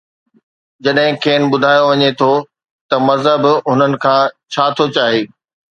جڏهن کين ٻڌايو وڃي ٿو ته مذهب هنن کان ڇا ٿو چاهي.